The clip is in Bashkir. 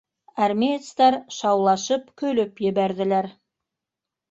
Армеецтар шаулашып көлөп ебәрҙеләр.